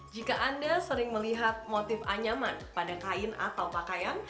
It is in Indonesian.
jika anda sering melihat motif anyaman pada kain atau pakaian